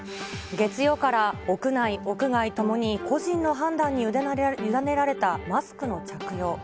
月曜から屋内、屋外ともに個人の判断に委ねられたマスクの着用。